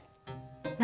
何？